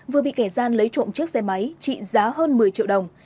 vừa bị kẻ gian lấy trộm chiếc xe máy trị giá hơn một mươi triệu đồng